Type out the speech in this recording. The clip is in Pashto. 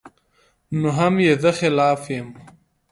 نو هم ئې زۀ خلاف يم